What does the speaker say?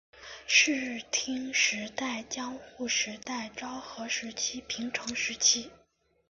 室町时代江户时代昭和时期平成时期